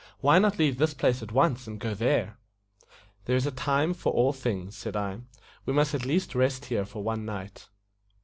Why not leave this place at once, and go there?" "There is a time for all things," said I. "We must at least rest here for one night."